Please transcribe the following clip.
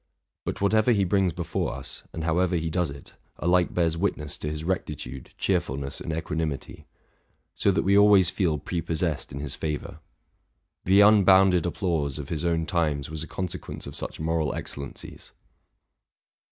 But whatever he brings before us, and however he does it, alike bears witness to his rectitude, cheerfulness, and equanimity; so that we always feel pre possessed in his favor. The unbounded applause of his own times was a consequence of such moral excellencies.